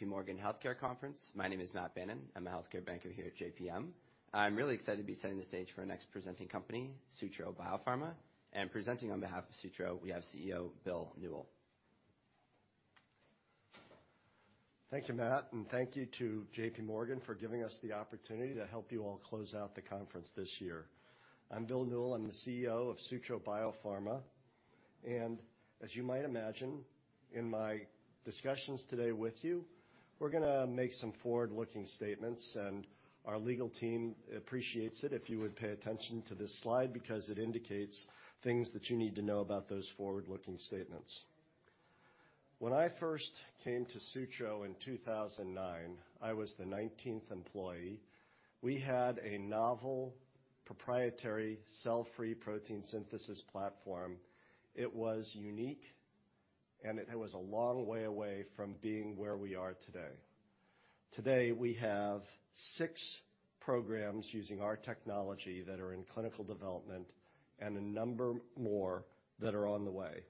J.P.Morgan Healthcare Conference. My name is Matt Bannon. I'm a healthcare banker here at JPM. I'm really excited to be setting the stage for our next presenting company, Sutro Biopharma. Presenting on behalf of Sutro, we have CEO, Bill Newell. Thank you, Matt, thank you to J.P.Morgan for giving us the opportunity to help you all close out the conference this year. I'm Bill Newell. I'm the CEO of Sutro Biopharma. As you might imagine, in my discussions today with you, we're gonna make some forward-looking statements, and our legal team appreciates it if you would pay attention to this slide because it indicates things that you need to know about those forward-looking statements. When I first came to Sutro in 2009, I was the 19th employee. We had a novel proprietary cell-free protein synthesis platform. It was unique, and it was a long way away from being where we are today. Today, we have six programs using our technology that are in clinical development and a number more that are on the way.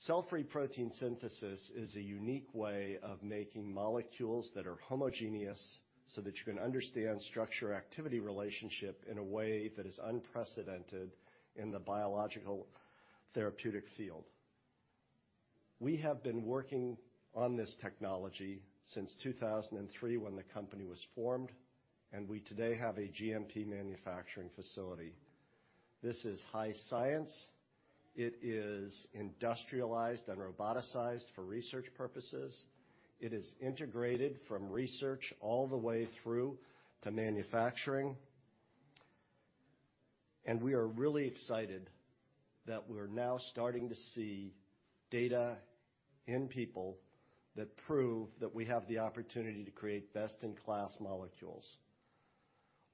Cell-free protein synthesis is a unique way of making molecules that are homogeneous so that you can understand structure-activity relationship in a way that is unprecedented in the biological therapeutic field. We have been working on this technology since 2003 when the company was formed, and we today have a GMP manufacturing facility. This is high science. It is industrialized and roboticized for research purposes. It is integrated from research all the way through to manufacturing. And we are really excited that we're now starting to see data in people that prove that we have the opportunity to create best-in-class molecules.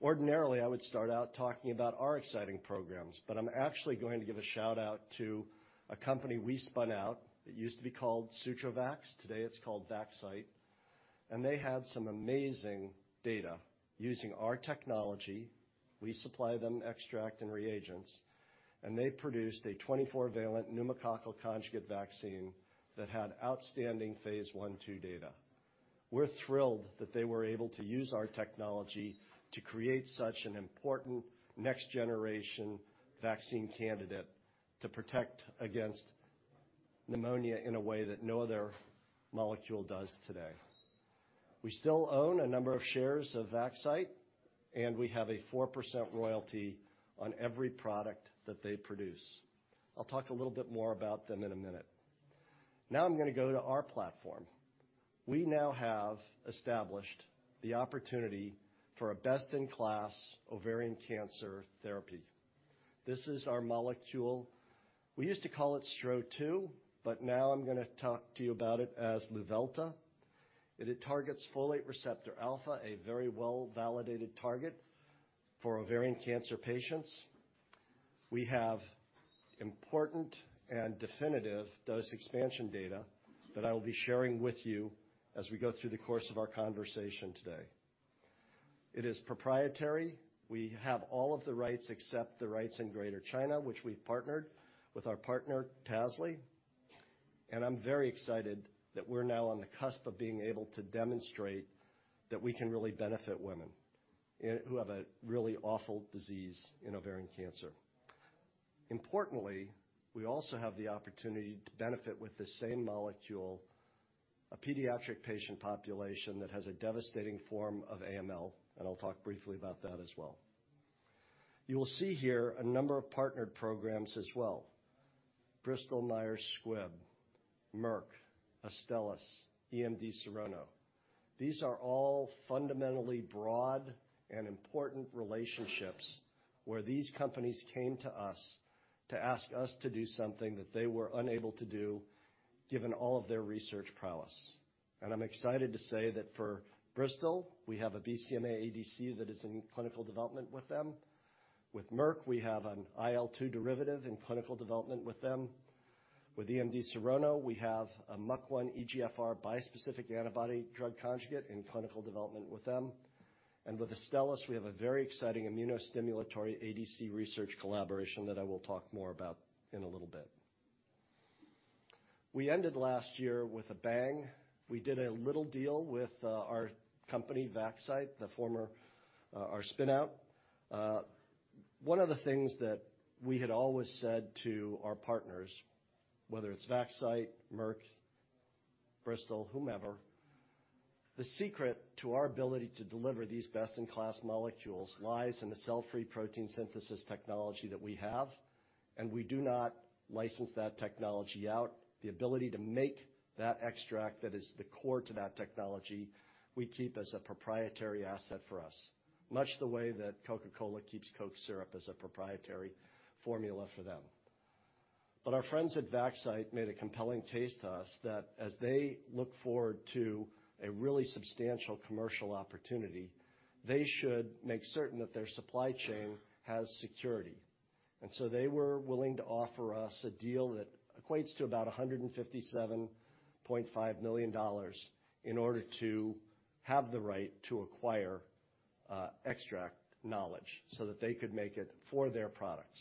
Ordinarily, I would start out talking about our exciting programs, but I'm actually going to give a shout-out to a company we spun out. It used to be called SutroVax. Today, it's called Vaxcyte. They had some amazing data using our technology. We supply them extract and reagents. They produced a 24 valent pneumococcal conjugate vaccine that had outstanding phase I, II data. We're thrilled that they were able to use our technology to create such an important next-generation vaccine candidate to protect against pneumonia in a way that no other molecule does today. We still own a number of shares of Vaxcyte, and we have a 4% royalty on every product that they produce. I'll talk a little bit more about them in a minute. Now I'm gonna go to our platform. We now have established the opportunity for a best-in-class ovarian cancer therapy. This is our molecule. We used to call it STRO-002, but now I'm gonna talk to you about it as Luvelta. It targets folate receptor alpha, a very well-validated target for ovarian cancer patients. We have important and definitive dose expansion data that I will be sharing with you as we go through the course of our conversation today. It is proprietary. We have all of the rights except the rights in Greater China, which we've partnered with our partner, Tasly. I'm very excited that we're now on the cusp of being able to demonstrate that we can really benefit women who have a really awful disease in ovarian cancer. Importantly, we also have the opportunity to benefit with the same molecule, a pediatric patient population that has a devastating form of AML, and I'll talk briefly about that as well. You will see here a number of partnered programs as well. Bristol Myers Squibb, Merck, Astellas, EMD Serono. These are all fundamentally broad and important relationships where these companies came to us to ask us to do something that they were unable to do given all of their research prowess. I'm excited to say that for Bristol, we have a BCMA ADC that is in clinical development with them. With Merck, we have an IL-2 derivative in clinical development with them. With EMD Serono, we have a MUC1- EGFR bispecific antibody drug conjugate in clinical development with them. With Astellas, we have a very exciting immunostimulatory ADC research collaboration that I will talk more about in a little bit. We ended last year with a bang. We did a little deal with our company, Vaxcyte, the former, our spin-out. One of the things that we had always said to our partners, whether it's Vaxcyte, Merck, Bristol, whomever, the secret to our ability to deliver these best-in-class molecules lies in the cell-free protein synthesis technology that we have. And we do not license that technology out. The ability to make that extract that is the core to that technology we keep as a proprietary asset for us, much the way that Coca-Cola keeps Coke® syrup as a proprietary formula for them. Our friends at Vaxcyte made a compelling case to us that as they look forward to a really substantial commercial opportunity, they should make certain that their supply chain has security. So, they were willing to offer us a deal that equates to about $157.5 million in order to have the right to acquire, extract knowledge so that they could make it for their products.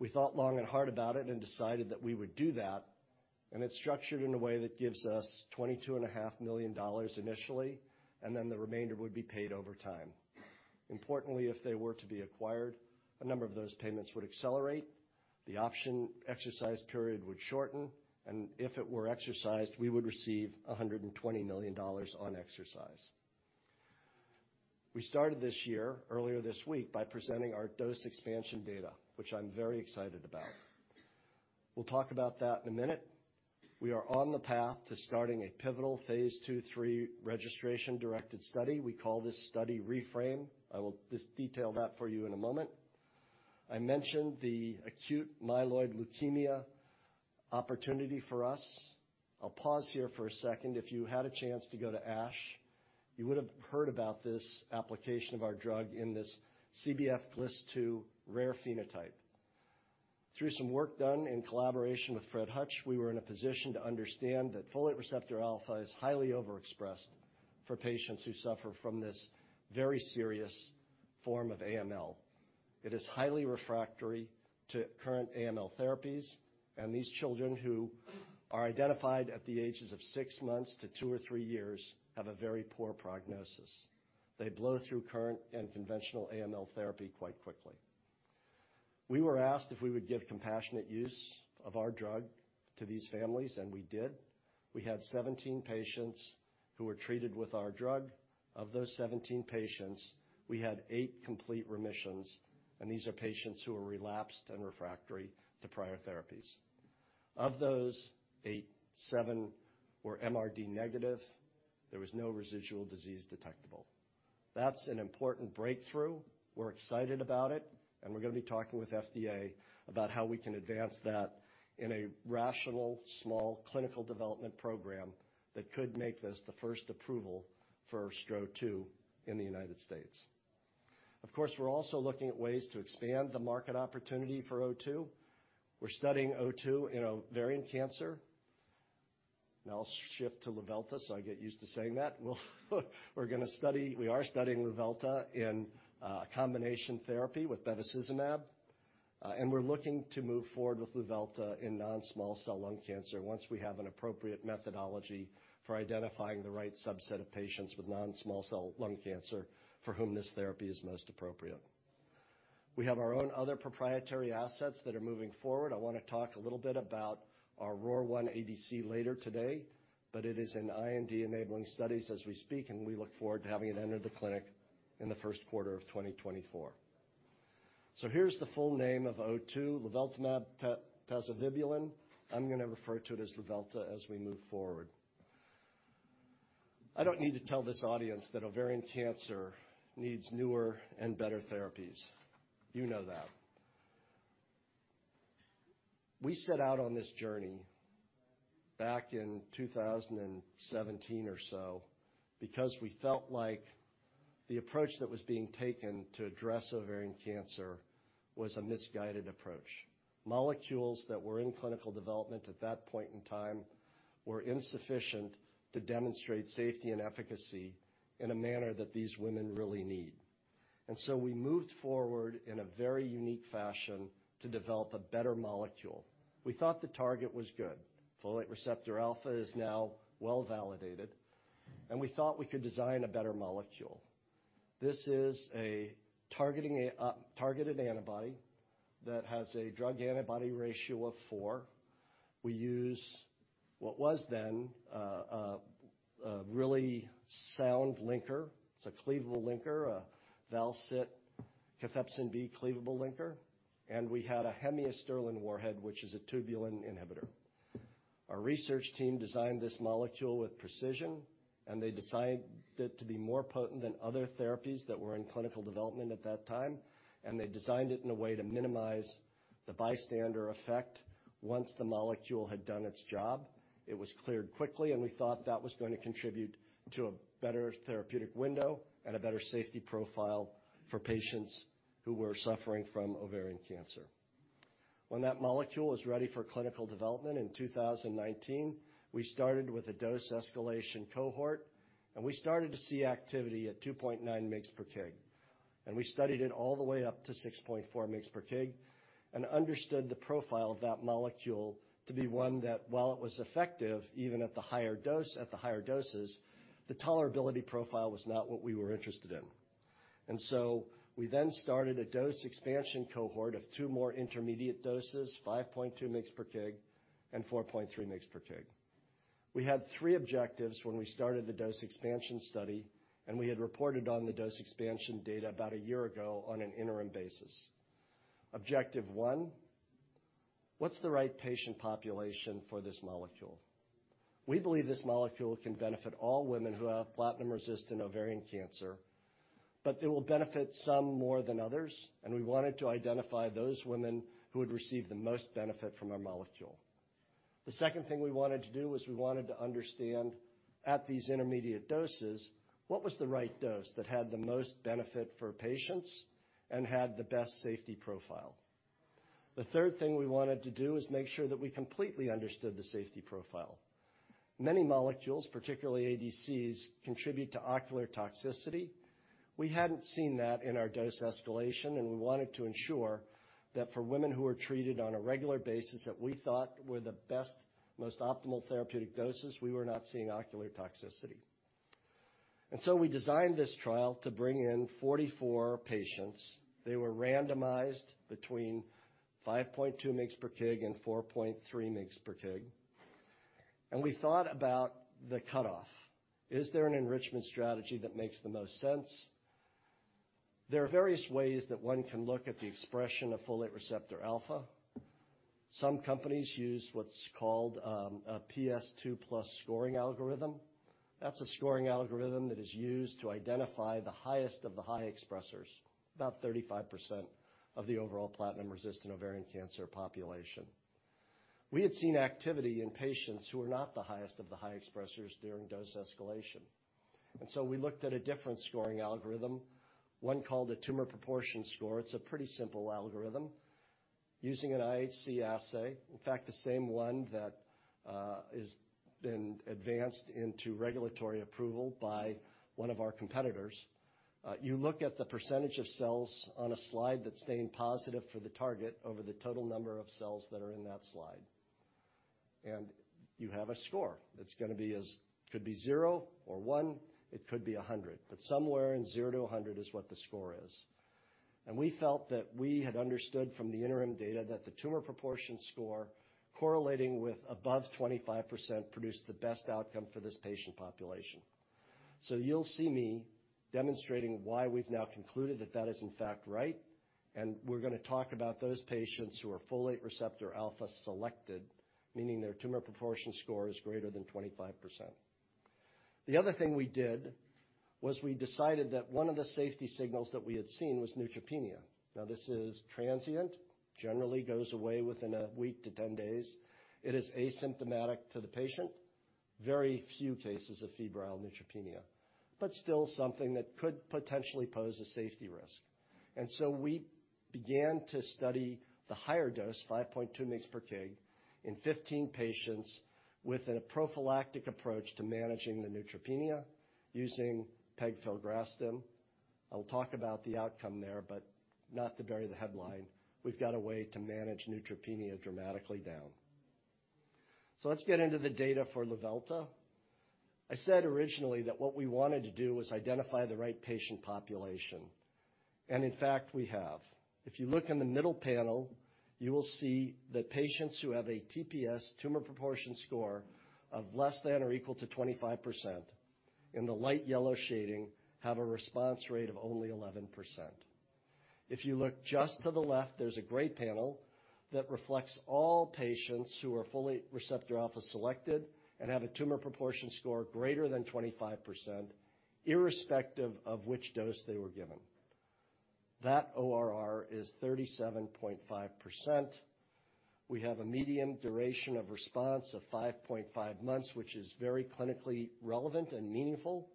We thought long and hard about it and decided that we would do that. It's structured in a way that gives us twenty-two and a half million dollars initially, then the remainder would be paid over time. Importantly, if they were to be acquired, a number of those payments would accelerate, the option exercise period would shorten, and if it were exercised, we would receive $120 million on exercise. We started this year, earlier this week, by presenting our dose expansion data, which I'm very excited about. We'll talk about that in a minute. We are on the path to starting a pivotal phase II, III registration-directed study. We call this study REFRαME. I will just detail that for you in a moment. I mentioned the acute myeloid leukemia opportunity for us. I'll pause here for a second. If you had a chance to go to ASH, you would have heard about this application of our drug in this CBFA2T3-GLIS2 rare phenotype. Through some work done in collaboration with Fred Hutch, we were in a position to understand that folate receptor alpha is highly overexpressed for patients who suffer from this very serious form of AML. It is highly refractory to current AML therapies. These children who are identified at the ages of six months to two or three years have a very poor prognosis. They blow through current and conventional AML therapy quite quickly. We were asked if we would give compassionate use of our drug to these families, and we did. We had 17 patients who were treated with our drug. Of those 17 patients, we had eight complete remissions, and these are patients who are relapsed and refractory to prior therapies. Of those eight, seven were MRD negative. There was no residual disease detectable. That's an important breakthrough. We're excited about it, and we're gonna be talking with FDA about how we can advance that in a rational, small clinical development program that could make this the first approval for STRO-002 in the United States. Of course, we're also looking at ways to expand the market opportunity for STRO-002. We're studying STRO-002 in ovarian cancer. Now I'll shift to Luvelta, so I get used to saying that. We gonna study, we are studying Luvelta in combination therapy with bevacizumab, and we're looking to move forward with Luvelta in non-small cell lung cancer once we have an appropriate methodology for identifying the right subset of patients with non-small cell lung cancer for whom this therapy is most appropriate. We have our own other proprietary assets that are moving forward. I wanna talk a little bit about our ROR1 ADC later today, but it is in IND-enabling studies as we speak, and we look forward to having it enter the clinic in the first quarter of 2024. Here's the full name of STRO-002, Luveltamab-tazevibulin. I'm gonna refer to it as Luvelta as we move forward. I don't need to tell this audience that ovarian cancer needs newer and better therapies. You know that. We set out on this journey back in 2017 or so because we felt like the approach that was being taken to address ovarian cancer was a misguided approach. Molecules that were in clinical development at that point in time were insufficient to demonstrate safety and efficacy in a manner that these women really need. We moved forward in a very unique fashion to develop a better molecule. We thought the target was good. Folate Receptor Alpha is now well-validated, and we thought we could design a better molecule. This is a targeted antibody that has a drug-to-antibody ratio of four. We use what was then really sound linker. It's a cleavable linker, a Val-Cit-cathepsin B cleavable linker. We had a hemiasterlin warhead, which is a tubulin inhibitor. Our research team designed this molecule with precision. They designed it to be more potent than other therapies that were in clinical development at that time. They designed it in a way to minimize the bystander effect. Once the molecule had done its job, it was cleared quickly. We thought that was going to contribute to a better therapeutic window and a better safety profile for patients who were suffering from ovarian cancer. When that molecule was ready for clinical development in 2019, we started with a dose escalation cohort. We started to see activity at 2.9 mgs per kg. We studied it all the way up to 6.4 mgs per kg and understood the profile of that molecule to be one that while it was effective, even at the higher doses, the tolerability profile was not what we were interested in. We then started a dose expansion cohort of two more intermediate doses, 5.2 MIGS/kg and 4.3 MIGS/kg. We had three objectives when we started the dose expansion study, and we had reported on the dose expansion data about a year ago on an interim basis. Objective one, what's the right patient population for this molecule? We believe this molecule can benefit all women who have platinum-resistant ovarian cancer. It will benefit some more than others. We wanted to identify those women who would receive the most benefit from our molecule. The second thing we wanted to do was we wanted to understand, at these intermediate doses, what was the right dose that had the most benefit for patients and had the best safety profile? The third thing we wanted to do is make sure that we completely understood the safety profile. Many molecules, particularly ADCs, contribute to ocular toxicity. We hadn't seen that in our dose escalation. We wanted to ensure that for women who were treated on a regular basis that we thought were the best, most optimal therapeutic doses, we were not seeing ocular toxicity. We designed this trial to bring in 44 patients. They were randomized between 5.2 MIGS/kg and 4.3 MIGS/kg. And we thought about the cutoff. Is there an enrichment strategy that makes the most sense? There are various ways that one can look at the expression of folate receptor alpha. Some companies use what's called a pS2+ scoring algorithm. That's a scoring algorithm that is used to identify the highest of the high expressers, about 35% of the overall platinum-resistant ovarian cancer population. We had seen activity in patients who are not the highest of the high expressers during dose escalation. So we looked at a different scoring algorithm, one called a tumor proportion score. It's a pretty simple algorithm. Using an IHC assay, in fact, the same one that been advanced into regulatory approval by one of our competitors. You look at the percentage of cells on a slide that's stained positive for the target over the total number of cells that are in that slide., and you have a score. It's gonna be it could be zero or one, it could be 100, but somewhere in 0-100 is what the score is. We felt that we had understood from the interim data that the Tumor Proportion Score correlating with above 25% produced the best outcome for this patient population. You'll see me demonstrating why we've now concluded that that is in fact right, and we're gonna talk about those patients who are folate receptor alpha selected, meaning their Tumor Proportion Score is greater than 25%. The other thing we did was we decided that one of the safety signals that we had seen was neutropenia. This is transient, generally goes away within a week to 10 days. It is asymptomatic to the patient. Very few cases of febrile neutropenia, still something that could potentially pose a safety risk. We began to study the higher dose, 5.2 MIGS/kg, in 15 patients with a prophylactic approach to managing the neutropenia using pegfilgrastim. I'll talk about the outcome there, not to bury the headline, we've got a way to manage neutropenia dramatically down. Let's get into the data for Luvelta. I said originally that what we wanted to do was identify the right patient population, and in fact, we have. You look in the middle panel, you will see that patients who have a TPS, tumor proportion score, of less than or equal to 25% in the light yellow shading, have a response rate of only 11%. If you look just to the left, there's a gray panel that reflects all patients who are folate receptor alpha selected and have a tumor proportion score greater than 25%, irrespective of which dose they were given. That ORR is 37.5%. We have a median duration of response of 5.5 months, which is very clinically relevant and meaningful,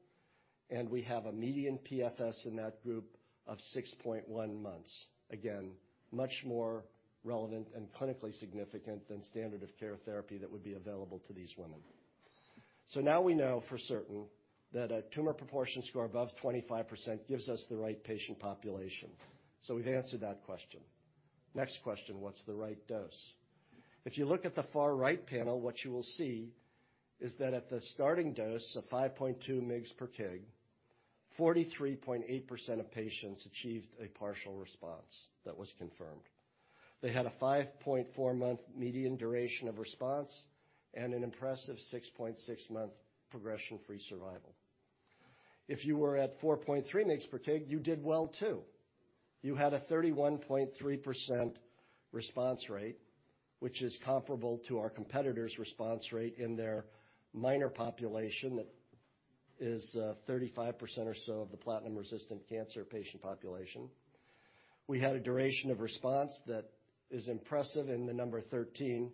and we have a median PFS in that group of 6.1 months. Again, much more relevant and clinically significant than standard of care therapy that would be available to these women. So now we know for certain that a Tumor Proportion Score above 25% gives us the right patient population. We've answered that question. Next question, what's the right dose? If you look at the far right panel, what you will see is that at the starting dose of 5.2 MIGS/kg, 43.8% of patients achieved a partial response that was confirmed. They had a 5.4-month median duration of response and an impressive 6.6-month progression-free survival. If you were at 4.3 MIGS/kg, you did well too. You had a 31.3% response rate, which is comparable to our competitor's response rate in their minor population is 35% or so of the platinum-resistant cancer patient population. We had a duration of response that is impressive in the number 13.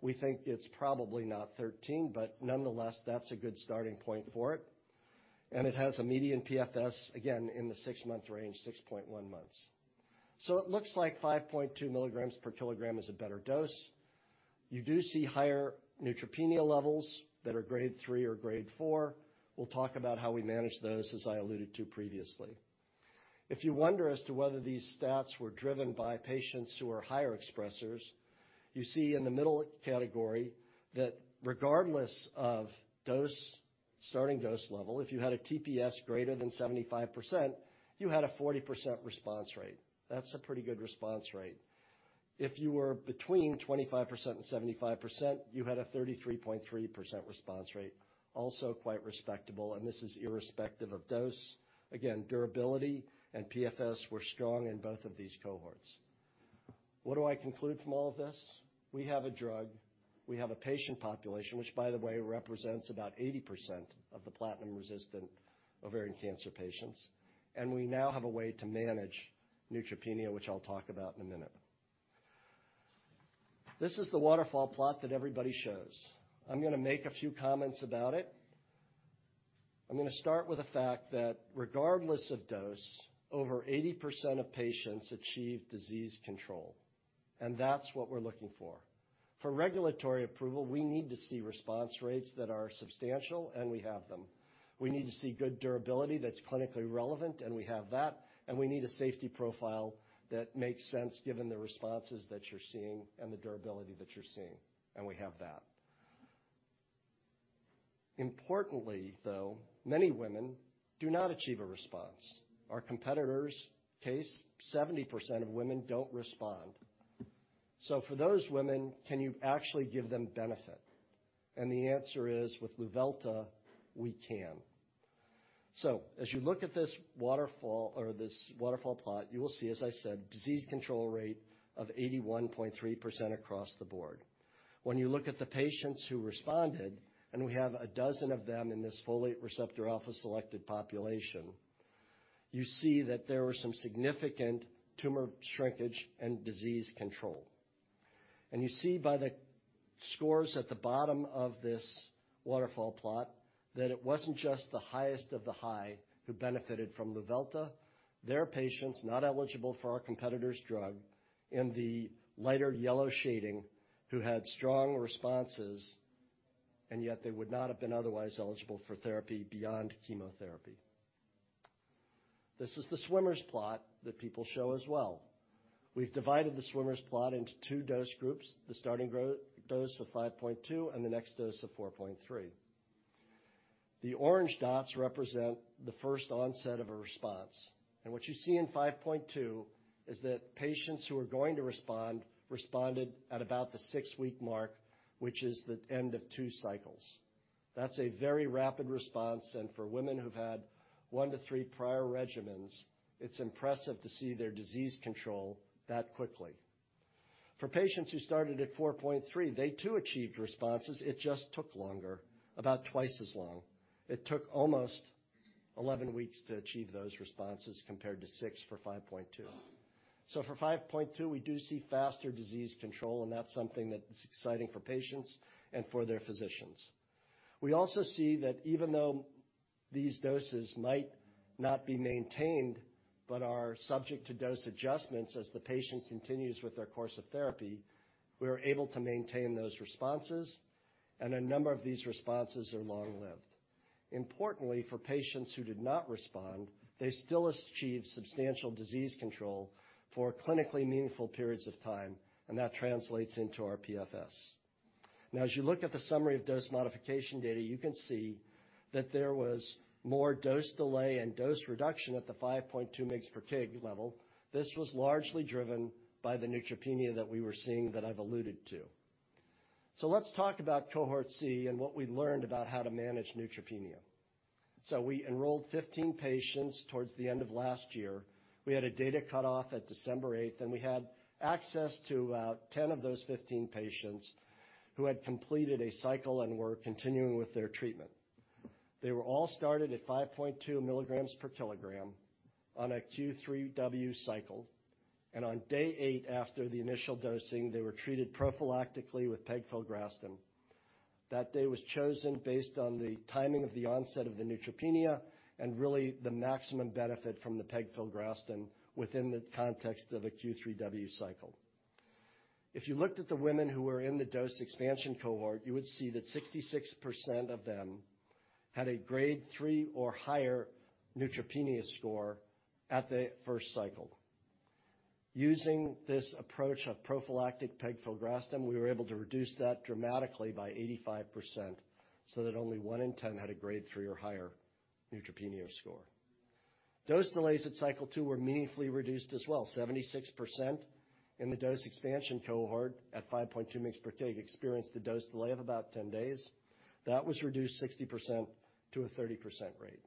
We think it's probably not 13, but nonetheless that's a good starting point for it, and it has a median PFS, again, in the six-month range, 6.1 months. It looks like 5.2 milligrams per kilogram is a better dose. You do see higher neutropenia levels that are grade 3 or grade 4. We'll talk about how we manage those, as I alluded to previously. If you wonder as to whether these stats were driven by patients who are higher expressers, you see in the middle category that regardless of dose, starting dose level, if you had a TPS greater than 75%, you had a 40% response rate. That's a pretty good response rate. If you were between 25% and 75%, you had a 33.3% response rate, also quite respectable, and this is irrespective of dose. Durability and PFS were strong in both of these cohorts. What do I conclude from all of this? We have a drug. We have a patient population, which by the way represents about 80% of the platinum-resistant ovarian cancer patients, and we now have a way to manage neutropenia, which I'll talk about in a minute. This is the waterfall plot that everybody shows. I'm gonna make a few comments about it. I'm going to start with the fact that regardless of dose, over 80% of patients achieve disease control, and that's what we're looking for. For regulatory approval, we need to see response rates that are substantial, and we have them. We need to see good durability that's clinically relevant, we have that, we need a safety profile that makes sense given the responses that you're seeing and the durability that you're seeing, we have that. Importantly, though, many women do not achieve a response. Our competitors, case 70% of women don't respond. For those women, can you actually give them benefit? The answer is, with Luvelta, we can. So, as you look at this waterfall or this waterfall plot, you will see, as I said, disease control rate of 81.3% across the board. When you look at the patients who responded, and we have a dozen of them in this folate receptor alpha-selected population, you see that there are some significant tumor shrinkage and disease control. You see by the scores at the bottom of this waterfall plot that it wasn't just the highest of the high who benefited from Luvelta. They are patients not eligible for our competitor's drug in the lighter yellow shading who had strong responses, and yet they would not have been otherwise eligible for therapy beyond chemotherapy. This is the swimmer's plot that people show as well. We've divided the swimmer's plot into two dose groups, the starting growth dose of 5.2 and the next dose of 4.3. The orange dots represent the first onset of a response. What you see in 5.2 is that patients who are going to respond responded at about the six-week mark, which is the end of two cycles. That's a very rapid response, and for women who've had 1-3 prior regimens, it's impressive to see their disease control that quickly. For patients who started at 4.3, they too achieved responses. It just took longer, about twice as long. It took almost 11 weeks to achieve those responses compared to six for 5.2. For 5.2, we do see faster disease control, and that's something that's exciting for patients and for their physicians. We also see that even though these doses might not be maintained but are subject to dose adjustments as the patient continues with their course of therapy, we are able to maintain those responses, and a number of these responses are long-lived. Importantly, for patients who did not respond, they still achieved substantial disease control for clinically meaningful periods of time, and that translates into our PFS. As you look at the summary of dose modification data, you can see that there was more dose delay and dose reduction at the 5.2 MIGS/kg level. This was largely driven by the neutropenia that we were seeing that I've alluded to. Let's talk about Cohort C and what we learned about how to manage neutropenia. We enrolled 15 patients towards the end of last year. We had a data cutoff at December 8, and we had access to about 10 of those 15 patients who had completed a cycle and were continuing with their treatment. They were all started at 5.2 milligrams per kilogram on a Q3W cycle. On day eight after the initial dosing, they were treated prophylactically with pegfilgrastim. That day was chosen based on the timing of the onset of the neutropenia and really the maximum benefit from the pegfilgrastim within the context of a Q3W cycle. If you looked at the women who were in the dose expansion cohort, you would see that 66% of them had a grade 3 or higher neutropenia score at the first cycle. Using this approach of prophylactic pegfilgrastim, we were able to reduce that dramatically by 85% so that only one in ten had a grade 3 or higher neutropenia score. Dose delays at cycle 2 were meaningfully reduced as well. 76% in the dose expansion cohort at 5.2 mgs per kg experienced a dose delay of about 10 days. That was reduced 60% to a 30% rate.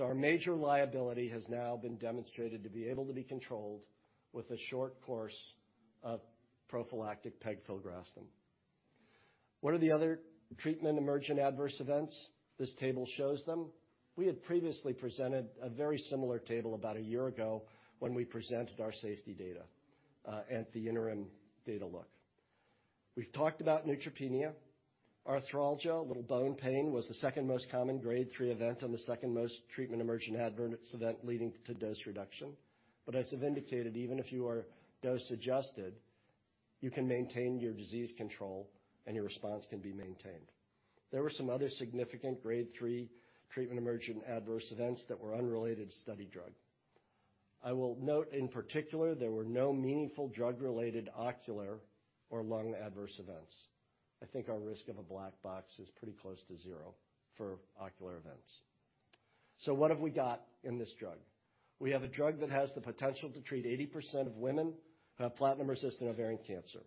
Our major liability has now been demonstrated to be able to be controlled with a short course of prophylactic pegfilgrastim. What are the other treatment emergent adverse events? This table shows them. We had previously presented a very similar table about a year ago when we presented our safety data at the interim data look. We've talked about neutropenia. Arthralgia, a little bone pain, was the second most common grade 3 event and the second most treatment emergent adverse event leading to dose reduction. As I've indicated, even if you are dose adjusted, you can maintain your disease control and your response can be maintained. There were some other significant grade 3 treatment emergent adverse events that were unrelated to study drug. I will note in particular, there were no meaningful drug-related ocular or lung adverse events. I think our risk of a black box is pretty close to zero for ocular events. What have we got in this drug? We have a drug that has the potential to treat 80% of women who have platinum-resistant ovarian cancer.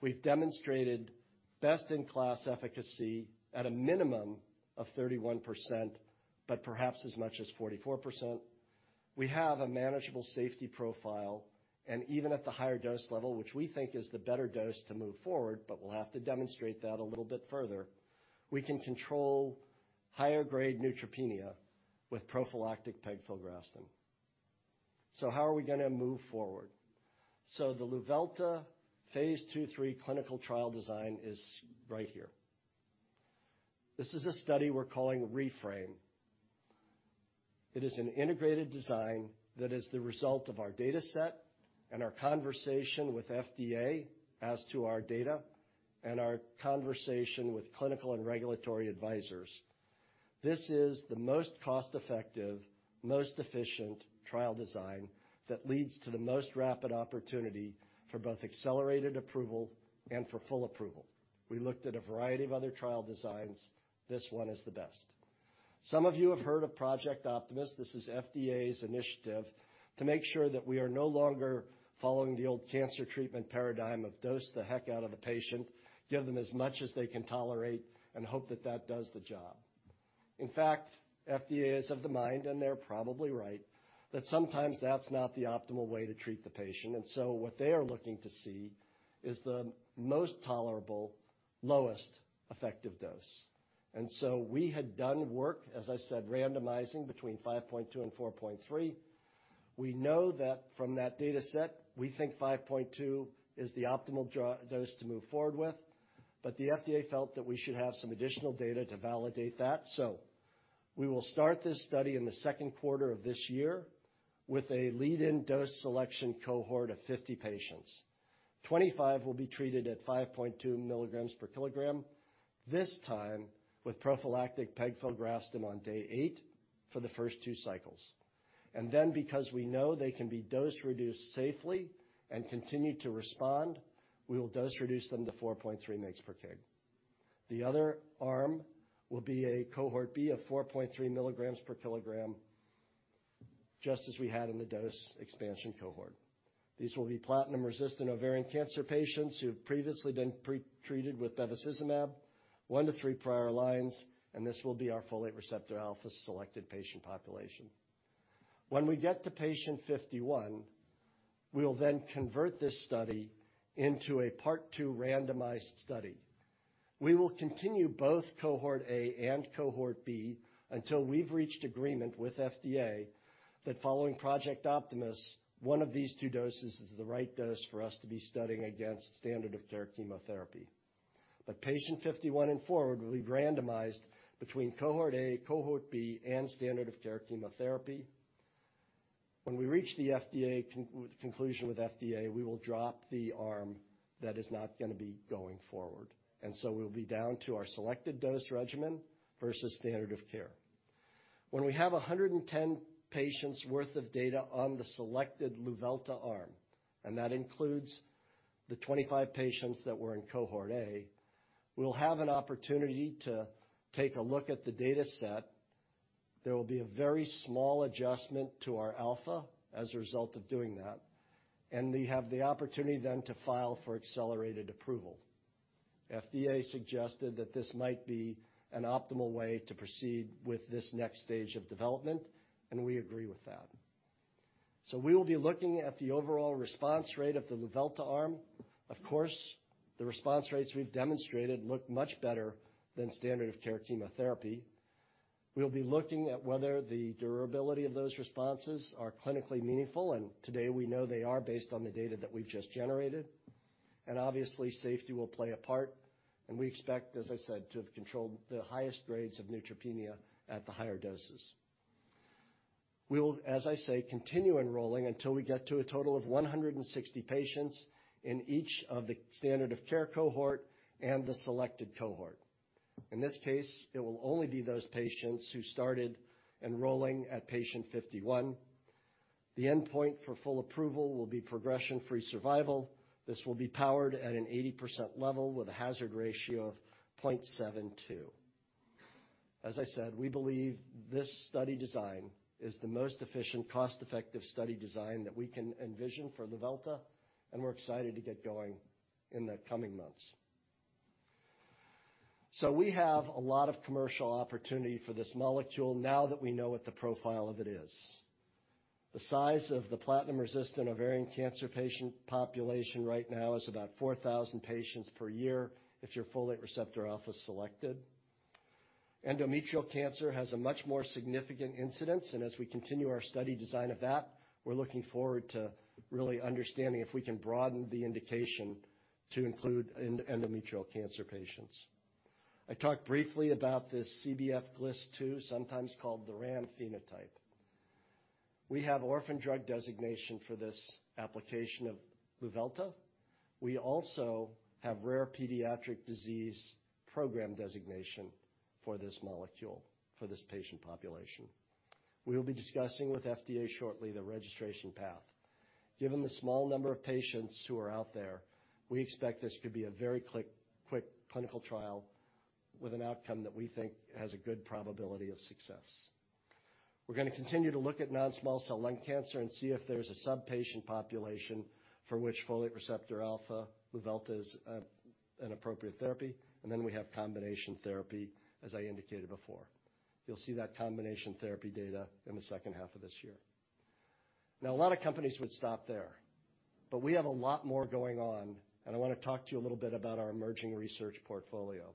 We've demonstrated best-in-class efficacy at a minimum of 31%, but perhaps as much as 44%. We have a manageable safety profile and even at the higher dose level, which we think is the better dose to move forward, but we'll have to demonstrate that a little bit further. We can control higher grade neutropenia with prophylactic pegfilgrastim. How are we going to move forward? The Luvelta phase II, III clinical trial design is right here. This is a study we're calling REFRαME. It is an integrated design that is the result of our data set and our conversation with FDA as to our data and our conversation with clinical and regulatory advisors. This is the most cost-effective, most efficient trial design that leads to the most rapid opportunity for both Accelerated Approval and for full approval. We looked at a variety of other trial designs. This one is the best. Some of you have heard of Project Optimus. This is FDA's initiative to make sure that we are no longer following the old cancer treatment paradigm of dose the heck out of the patient, give them as much as they can tolerate, and hope that that does the job. In fact, FDA is of the mind, and they're probably right, that sometimes that's not the optimal way to treat the patient. So. Qhat they are looking to see is the most tolerable, lowest effective dose. We had done work, as I said, randomizing between 5.2 and 4.3. We know that from that data set, we think 5.2 is the optimal dose to move forward with, but the FDA felt that we should have some additional data to validate that. We will start this study in the second quarter of this year with a lead-in dose selection cohort of 50 patients. 25 will be treated at 5.2 milligrams per kilogram, this time with prophylactic pegfilgrastim on day eight for the first two cycles. Because we know they can be dose reduced safely and continue to respond, we will dose reduce them to 4.3 MIGS/kg. The other arm will be a Cohort B of 4.3 milligrams per kilogram, just as we had in the dose expansion cohort. These will be platinum-resistant ovarian cancer patients who have previously been pretreated with bevacizumab, 1-3 prior lines. This will be our folate receptor alpha selected patient population. When we get to patient 51, we will then convert this study into a Part 2 randomized study. We will continue both Cohort A and Cohort B until we've reached agreement with FDA that following Project Optimus, 1 of these 2 doses is the right dose for us to be studying against standard of care chemotherapy. Patient 51 and forward will be randomized between Cohort A, Cohort B, and standard of care chemotherapy. When we reach the conclusion with FDA, we will drop the arm that is not going to be going forward. So we'll be down to our selected dose regimen versus standard of care. When we have 110 patients worth of data on the selected Luvelta arm, and that includes the 25 patients that were in Cohort A, we'll have an opportunity to take a look at the data set. There will be a very small adjustment to our alpha as a result of doing that, and we have the opportunity then to file for accelerated approval. FDA suggested that this might be an optimal way to proceed with this next stage of development, and we agree with that. We will be looking at the overall response rate of the Luvelta arm. Of course, the response rates we've demonstrated look much better than standard of care chemotherapy. We'll be looking at whether the durability of those responses are clinically meaningful, and today we know they are based on the data that we've just generated. Obviously, safety will play a part, and we expect, as I said, to have controlled the highest grades of neutropenia at the higher doses. We will, as I say, continue enrolling until we get to a total of 160 patients in each of the standard of care cohort and the selected cohort. In this case, it will only be those patients who started enrolling at patient 51. The endpoint for full approval will be progression-free survival. This will be powered at an 80% level with a hazard ratio of 0.72. As I said. We believe this study design is the most efficient, cost-effective study design that we can envision for Luvelta. We're excited to get going in the coming months. So we have a lot of commercial opportunity for this molecule now that we know what the profile of it is. The size of the platinum-resistant ovarian cancer patient population right now is about 4,000 patients per year if you're folate receptor alpha selected. Endometrial cancer has a much more significant incidence. As we continue our study design of that, we're looking forward to really understanding if we can broaden the indication to include endometrial cancer patients. I talked briefly about this CBFA2T3-GLIS2, sometimes called the RAM phenotype. We have Orphan Drug Designation for this application of Luvelta. We also have Rare Pediatric Disease program designation for this molecule, for this patient population. We will be discussing with FDA shortly the registration path. Given the small number of patients who are out there, we expect this to be a very quick clinical trial with an outcome that we think has a good probability of success. We're going to continue to look at non-small cell lung cancer and see if there's a subpatient population for which folate receptor alpha Luvelta is an appropriate therapy, and then we have combination therapy, as I indicated before. You'll see that combination therapy data in the second half of this year. Now, a lot of companies would stop there, but we have a lot more going on, and I want to talk to you a little bit about our emerging research portfolio.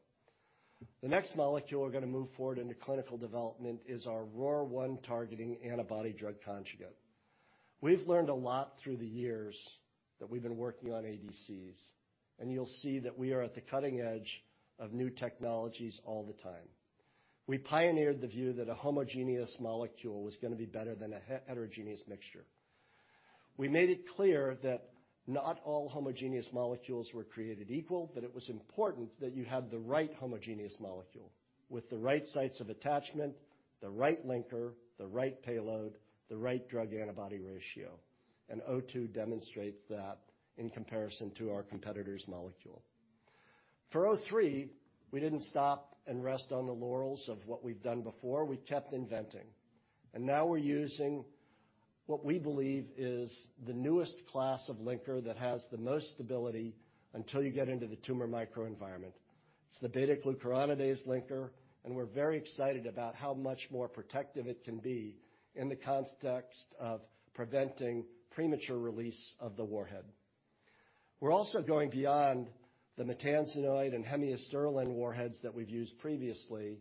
The next molecule we're gonna move forward into clinical development is our ROR1-targeting antibody-drug conjugate. We've learned a lot through the years that we've been working on ADCs. You'll see that we are at the cutting edge of new technologies all the time. We pioneered the view that a homogeneous molecule was gonna be better than a heterogeneous mixture. We made it clear that not all homogeneous molecules were created equal, but it was important that you had the right homogeneous molecule with the right sites of attachment, the right linker, the right payload, the right drug antibody ratio, and STRO-002 demonstrates that in comparison to our competitor's molecule. For STRO-003, we didn't stop and rest on the laurels of what we've done before. We kept inventing. Now we're using what we believe is the newest class of linker that has the most stability until you get into the tumor microenvironment. It's the β-glucuronidase linker, we're very excited about how much more protective it can be in the context of preventing premature release of the warhead. We're also going beyond the maytansinoid and hemiasterlin warheads that we've used previously,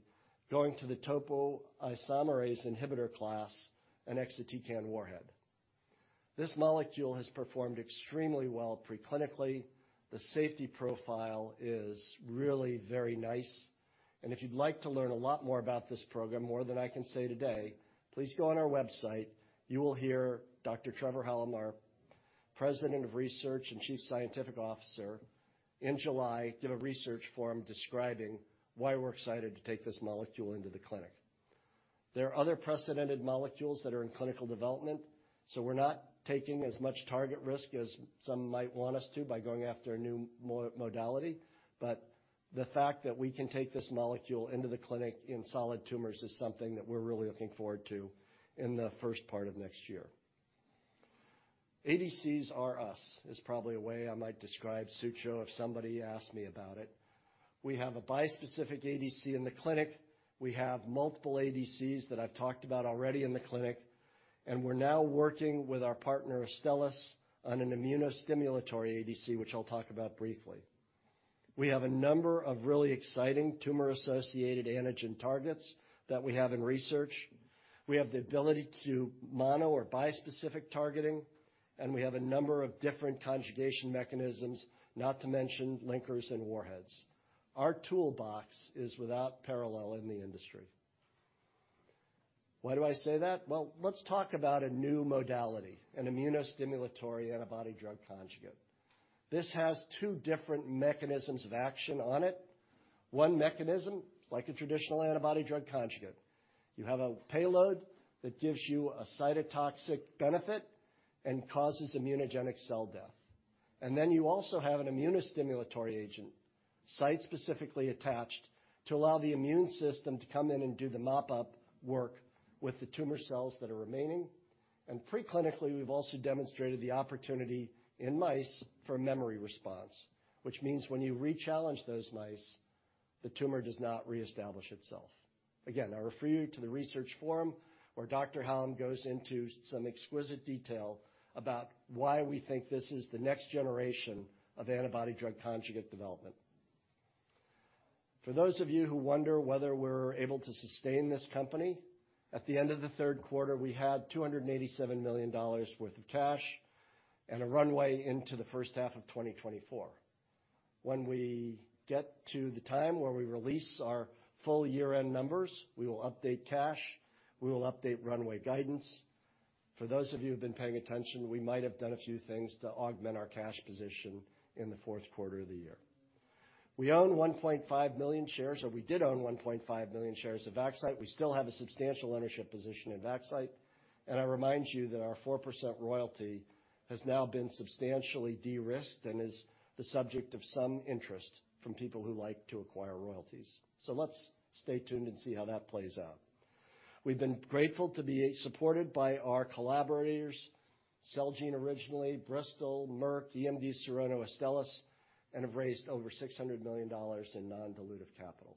going to the topoisomerase inhibitor class and exatecan warhead. This molecule has performed extremely well pre-clinically. The safety profile is really very nice, if you'd like to learn a lot more about this program, more than I can say today, please go on our website. You will hear Dr. Trevor Hallam, our President of Research and Chief Scientific Officer, in July, give a research forum describing why we're excited to take this molecule into the clinic. There are other precedented molecules that are in clinical development, we're not taking as much target risk as some might want us to by going after a new modality. The fact that we can take this molecule into the clinic in solid tumors is something that we're really looking forward to in the first part of next year. ADCs are us, is probably a way I might describe Sutro if somebody asked me about it. We have a bispecific ADC in the clinic. We have multiple ADCs that I've talked about already in the clinic, and we're now working with our partner, Astellas, on an immunostimulatory ADC, which I'll talk about briefly. We have a number of really exciting tumor-associated antigen targets that we have in research. We have the ability to mono or bispecific targeting, and we have a number of different conjugation mechanisms, not to mention linkers and warheads. Our toolbox is without parallel in the industry. Why do I say that? Well, let's talk about a new modality, an immunostimulatory antibody drug conjugate. This has two different mechanisms of action on it. One mechanism, like a traditional antibody-drug conjugate, you have a payload that gives you a cytotoxic benefit and causes immunogenic cell death. And then you also have an immunostimulatory agent, site-specifically attached to allow the immune system to come in and do the mop-up work with the tumor cells that are remaining. Pre-clinically, we've also demonstrated the opportunity in mice for a memory response, which means when you rechallenge those mice, the tumor does not reestablish itself. Again, I refer you to the research forum where Dr. Hallam goes into some exquisite detail about why we think this is the next generation of antibody-drug conjugate development. For those of you who wonder whether we're able to sustain this company, at the end of the third quarter, we had $287 million worth of cash and a runway into the first half of 2024. When we get to the time where we release our full year-end numbers, we will update cash, we will update runway guidance. For those of you who've been paying attention, we might have done a few things to augment our cash position in the fourth quarter of the year. We own 1.5 million shares, or we did own 1.5 million shares of Vaxcyte. We still have a substantial ownership position in Vaxcyte. I remind you that our 4% royalty has now been substantially de-risked and is the subject of some interest from people who like to acquire royalties. So let's stay tuned and see how that plays out. We've been grateful to be supported by our collaborators, Celgene originally, Bristol, Merck, EMD Serono, Astellas, and have raised over $600 million in non-dilutive capital.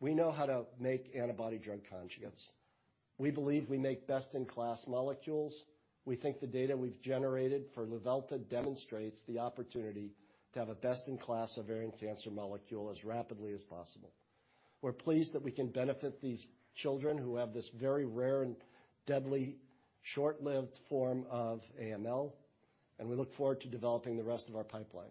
We know how to make antibody-drug conjugates. We believe we make best-in-class molecules. We think the data we've generated for Luvelta demonstrates the opportunity to have a best-in-class ovarian cancer molecule as rapidly as possible. We're pleased that we can benefit these children who have this very rare and deadly short-lived form of AML, and we look forward to developing the rest of our pipeline.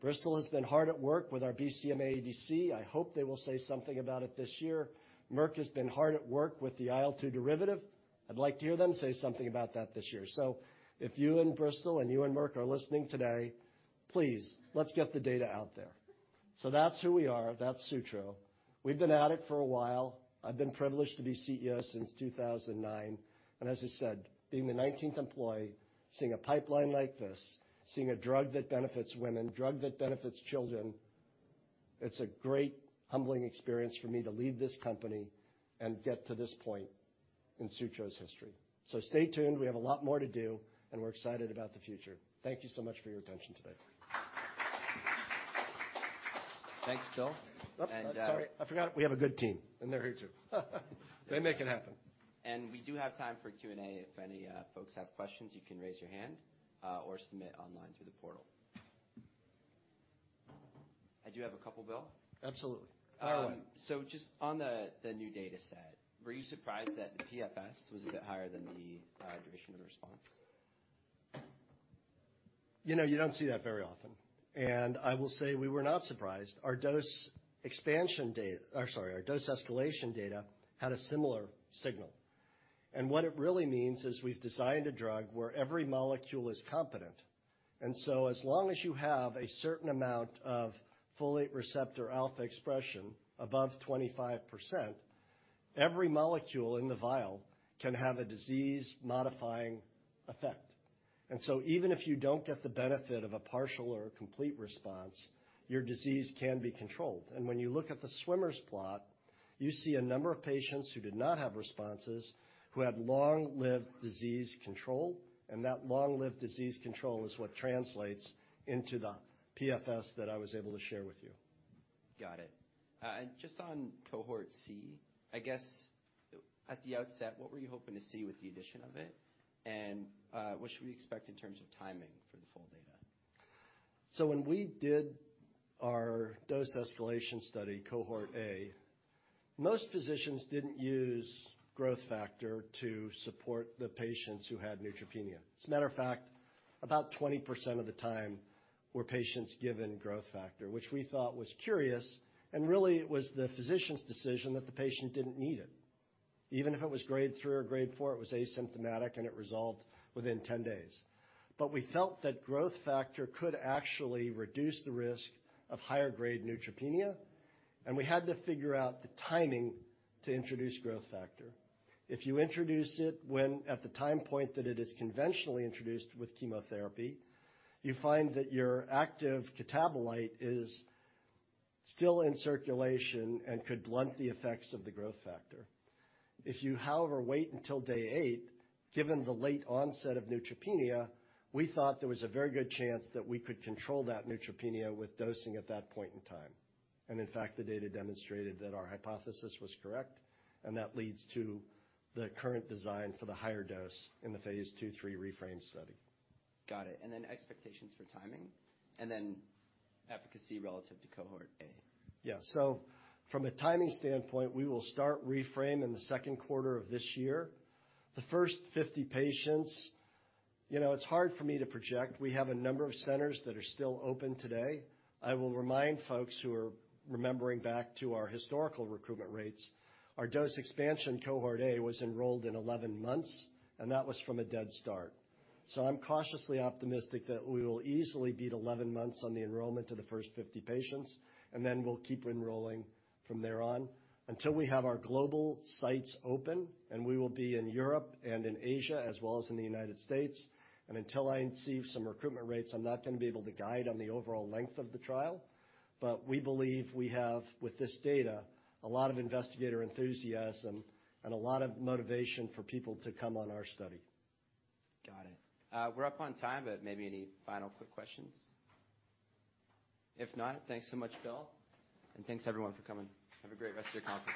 Bristol has been hard at work with our BCMA ADC. I hope they will say something about it this year. Merck has been hard at work with the IL-2 derivative. I'd like to hear them say something about that this year. If you and Bristol and you and Merck are listening today, please, let's get the data out there. That's who we are. That's Sutro. We've been at it for a while. I've been privileged to be CEO since 2009, and as I said, being the 19th employee, seeing a pipeline like this, seeing a drug that benefits women, drug that benefits children, it's a great humbling experience for me to lead this company and get to this point in Sutro's history. Stay tuned. We have a lot more to do, and we're excited about the future. Thank you so much for your attention today. Thanks, Bill. Oh, sorry, I forgot we have a good team, and they're here too. They make it happen. We do have time for Q&A. If any folks have questions, you can raise your hand or submit online through the portal. I do have a couple, Bill. Absolutely. Just on the new data set, were you surprised that the PFS was a bit higher than the duration of response? You know, you don't see that very often. I will say we were not surprised. Our dose expansion or sorry, our dose escalation data had a similar signal. What it really means is we've designed a drug where every molecule is competent. And so as long as you have a certain amount of folate receptor alpha expression above 25%, every molecule in the vial can have a disease-modifying effect. And so even if you don't get the benefit of a partial or a complete response, your disease can be controlled. When you look at the swimmer's plot, you see a number of patients who did not have responses who had long-lived disease control, and that long-lived disease control is what translates into the PFS that I was able to share with you. Got it. Just on Cohort C, I guess at the outset, what were you hoping to see with the addition of it? What should we expect in terms of timing for the full data? When we did our dose escalation study, Cohort A, most physicians didn't use growth factor to support the patients who had neutropenia. As a matter of fact, about 20% of the time were patients given growth factor, which we thought was curious, and really it was the physician's decision that the patient didn't need it. Even if it was grade 3 or grade 4, it was asymptomatic, and it resolved within 10 days. We felt that growth factor could actually reduce the risk of higher grade neutropenia, and we had to figure out the timing to introduce growth factor. If you introduce it when, at the time point that it is conventionally introduced with chemotherapy, you find that your active catabolite is still in circulation and could blunt the effects of the growth factor. If you, however, wait until day eight, given the late onset of neutropenia, we thought there was a very good chance that we could control that neutropenia with dosing at that point in time. In fact, the data demonstrated that our hypothesis was correct, and that leads to the current design for the higher dose in the phase II-III REFRαME study. Got it. Then expectations for timing, and then efficacy relative to Cohort A. From a timing standpoint, we will start REFRαME in the second quarter of this year. The first 50 patients, you know, it's hard for me to project. We have a number of centers that are still open today. I will remind folks who are remembering back to our historical recruitment rates, our dose expansion Cohort A was enrolled in 11 months, and that was from a dead start. I'm cautiously optimistic that we will easily beat 11 months on the enrollment of the first 50 patients, and then we'll keep enrolling from there on until we have our global sites open, and we will be in Europe and in Asia, as well as in the United States. Until I see some recruitment rates, I'm not gonna be able to guide on the overall length of the trial. We believe we have, with this data, a lot of investigator enthusiasm and a lot of motivation for people to come on our study. Got it. We're up on time, maybe any final quick questions? If not, thanks so much, Bill. Thanks everyone for coming. Have a great rest of your conference.